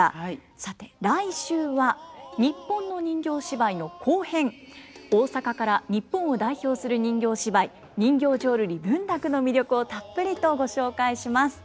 さて来週は日本の人形芝居の後編大阪から日本を代表する人形芝居人形浄瑠璃文楽の魅力をたっぷりとご紹介します。